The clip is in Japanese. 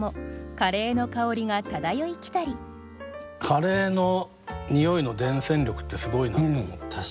カレーのにおいの伝染力ってすごいなって思って。